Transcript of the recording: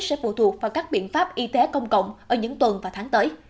sẽ phụ thuộc vào các biện pháp y tế công cộng ở những tuần và tháng tới